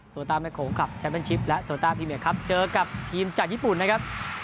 ต้าแม่โขงคลับแชมเป็นชิปและโตต้าพรีเมียครับเจอกับทีมจากญี่ปุ่นนะครับ